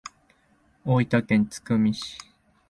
大分県津久見市